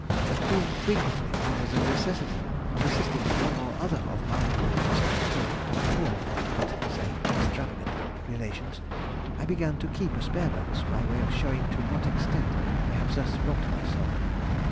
But being frequently under the necessity of assisting one or other of my, as I thought, poor (but say extravagant) relations, I began to keep a spare box, by way of showing to what extent I have thus robbed myself....